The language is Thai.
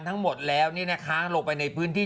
ทั้งหมดแล้วนี่นะคะลงไปในพื้นที่